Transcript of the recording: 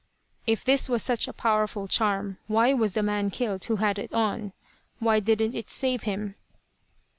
"If this was such a powerful charm why was the man killed who had it on. Why didn't it save him?"